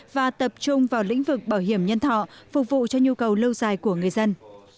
và tập trung vào lĩnh vực bảo hiểm nhân thọ phục vụ cho nhu cầu lâu dài của người dân